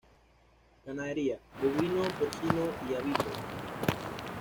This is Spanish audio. Ganadería: bovino, porcino y avícola.